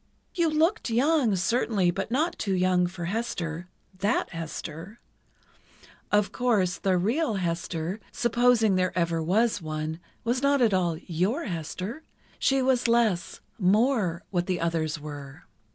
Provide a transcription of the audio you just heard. "You looked young, certainly, but not too young for Hester—that Hester. Of course, the real Hester—supposing there ever was one—was not at all your Hester. She was less—more—what the others were."